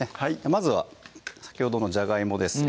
まずは先ほどのじゃがいもですね